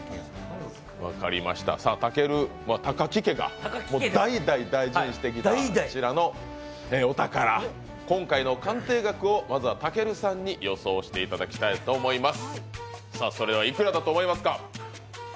たける、高木家が代々大事にしてきたこちらのお宝、今回の鑑定額をまずはたけるさんに予想していただきたいと思います。